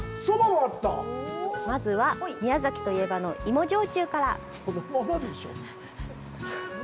まずは、宮崎といえばの芋焼酎から。